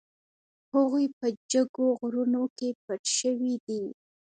هغوی په جګو غرونو کې پټ شوي دي.